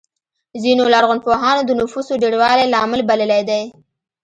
ځینو لرغونپوهانو د نفوسو ډېروالی لامل بللی دی.